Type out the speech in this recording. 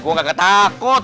gue nggak ketakut